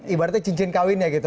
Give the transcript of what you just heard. ibaratnya cincin kawinnya gitu